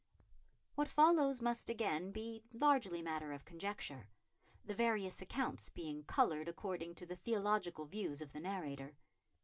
What followed must again be largely matter of conjecture, the various accounts being coloured according to the theological views of the narrator.